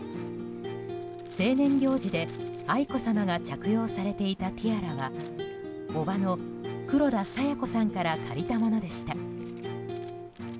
成年行事で愛子さまが着用されていたティアラはおばの黒田清子さんから借りたものでした。